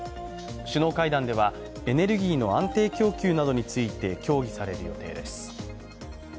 首脳会談ではエネルギーの安定供給などについて協議される予定です。